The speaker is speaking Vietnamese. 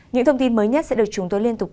những thông tin mới nhất sẽ được chúng tôi liên tục